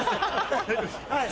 はい。